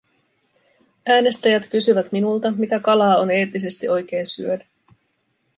Äänestäjät kysyvät minulta, mitä kalaa on eettisesti oikein syödä.